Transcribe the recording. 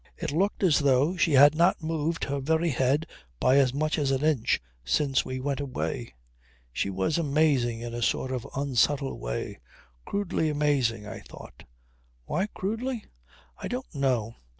It looked as though she had not moved her very head by as much as an inch since we went away. She was amazing in a sort of unsubtle way; crudely amazing I thought. Why crudely? I don't know.